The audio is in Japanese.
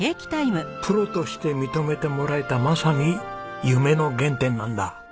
プロとして認めてもらえたまさに夢の原点なんだ。